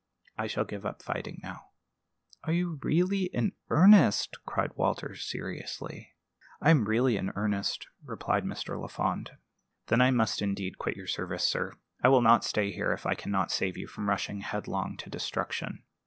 I shall give up fighting now." "Are you really in earnest?" cried Walter, seriously. "I am really in earnest," replied Mr. Lafond. "Then I must indeed quit your service, sir. I will not stay here if I can not save you from rushing headlong to destruction."